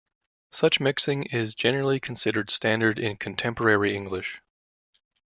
Such mixing is generally considered standard in contemporary English.